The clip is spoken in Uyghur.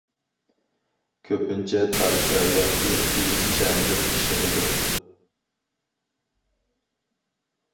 كۆپىنچە تارىشا ياكى قېيىش چەمىدىن ئىشلىنىدۇ.